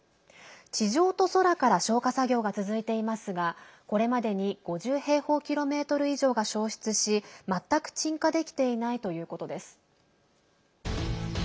地上と空から消火作業が続いていますがこれまでに５０平方キロメートル以上が焼失し全く鎮火できていないということです。